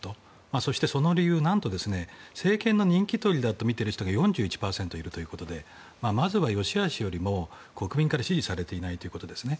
そしてその理由、なんと政権の人気取りだとみている人が４１％いるということでまずは、よしあしよりも国民から支持されていないということですね。